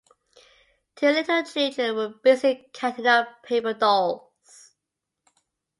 Two little children were busy cutting up paper dolls.